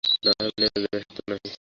না হয়, মানিয়া লইলাম, ইহা সত্য নহে।